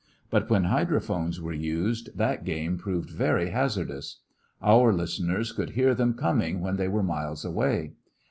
But when hydrophones were used that game proved very hazardous. Our listeners would hear them coming when they were miles away.